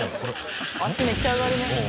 足めっちゃ上がるね。